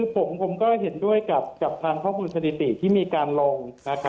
ผมก็เห็นด้วยกับทางข้อมูลสถิติที่มีการลง